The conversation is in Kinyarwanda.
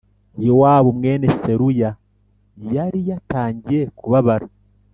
Yowabu mwene Seruya yari yatangiye kubabara